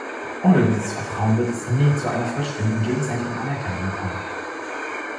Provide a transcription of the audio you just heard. Ohne dieses Vertrauen wird es nie zu einer vollständigen gegenseitigen Anerkennung kommen.